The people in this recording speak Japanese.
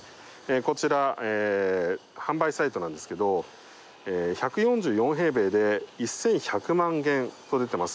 こちら、販売サイトなんですけど、１４４平米で１１００万元と出てます。